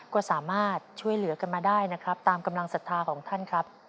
ก็สามารถช่วยเหลือกันมาได้นะครับตามกำลังศรัทธาของท่านครับ